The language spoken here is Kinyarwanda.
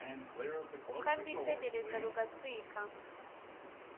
Ukarwitegereza rugatwika,